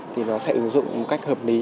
thì nó sẽ ứng dụng một cách hợp lý